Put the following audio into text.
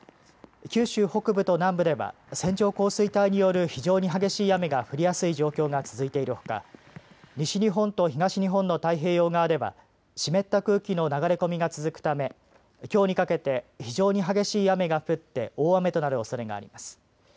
九州北部と南部では線状降水帯による非常に激しい雨が降りやすい状況が続いているほか西日本と東日本の太平洋側では湿った空気の流れ込みが続くためきょうにかけて非常に激しい雨が降って大雨となるおそれがあります。